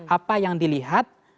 apa yang dilihat